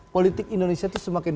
politik indonesia itu semakin